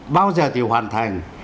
bao giờ thì hoàn thành